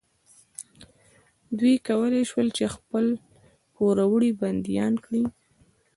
دوی کولی شول چې خپل پوروړي بندیان کړي.